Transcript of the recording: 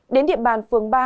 đến địa bàn phường ba